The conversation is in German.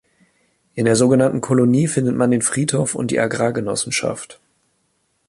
In der sogenannten Kolonie findet man den Friedhof und die Agrargenossenschaft.